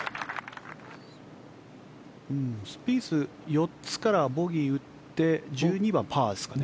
スピース４つからボギーを打って１２番、パーですかね。